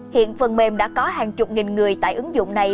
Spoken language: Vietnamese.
hiện phần mềm đã có hàng chục nghìn người tại ứng dụng này